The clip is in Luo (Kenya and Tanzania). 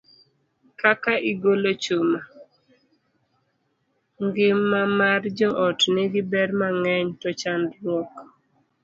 Kaka igolo chuma: A. Ngima mar joot nigi ber mang'eny, to chandruok